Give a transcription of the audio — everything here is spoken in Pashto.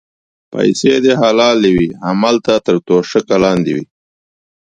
پیسې دې حلالې وې هملته تر توشکه لاندې وې.